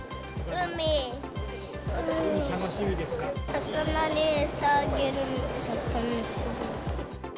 魚に餌あげるのが楽しみ。